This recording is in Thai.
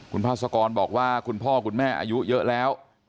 คุณพาสกรบอกว่าคุณพ่อคุณแม่อายุเยอะแล้ว